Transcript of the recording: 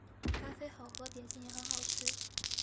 咖啡好喝，点心也很好吃